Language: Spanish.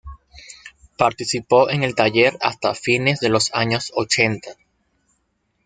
Participó en el taller hasta fines de los años ochenta.